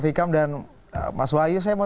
fikam dan mas wayu saya mau